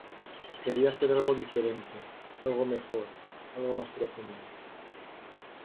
Quería hacer algo diferente, algo mejor; algo más profundo.